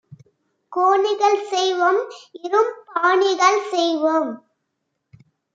கோணிகள்செய் வோம் இரும் பாணிகள் செய்வோம்